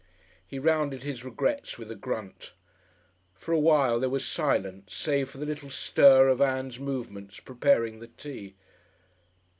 He rounded his regrets with a grunt. For a while there was silence, save for the little stir of Ann's movements preparing the tea.